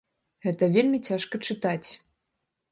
Гэта вельмі цяжка чытаць.